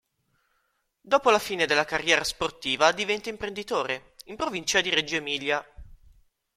Dopo la fine della carriera sportiva diventa imprenditore, in provincia di Reggio Emilia.